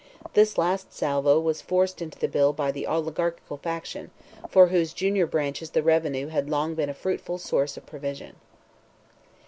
This last salvo was forced into the bill by the oligarchical faction, for whose junior branches the revenue had long been a fruitful source of provision.